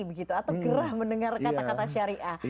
begitu atau gerah mendengar kata kata syariah